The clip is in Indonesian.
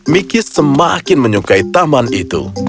miki semakin menyukai taman itu